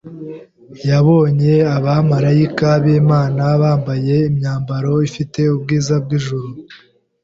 Yabonye abamarayika b’Imana, bambaye imyambaro ifite ubwiza bw’ijuru,